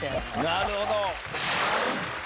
なるほど。